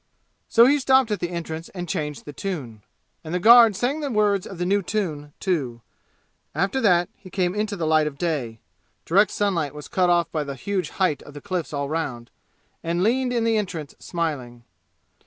So he stopped at the entrance and changed the tune. And the guard sang the words of the new tune, too. After that he came out into the light of day (direct sunlight was cut off by the huge height of the cliffs all around) and leaned in the entrance, smiling.